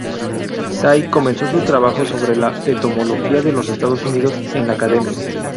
Say comenzó su trabajo sobre la entomología de los Estados Unidos en la Academia.